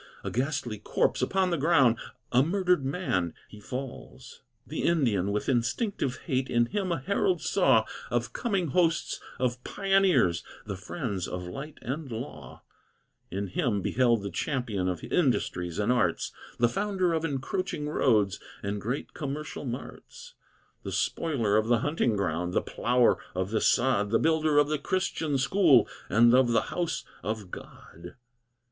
A ghastly corpse, upon the ground, A murdered man, he falls. The Indian, with instinctive hate, In him a herald saw Of coming hosts of pioneers, The friends of light and law; In him beheld the champion Of industries and arts, The founder of encroaching roads And great commercial marts; The spoiler of the hunting ground, The plougher of the sod, The builder of the Christian school And of the house of God.